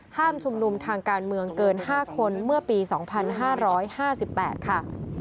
ชุมนุมทางการเมืองเกิน๕คนเมื่อปี๒๕๕๘ค่ะ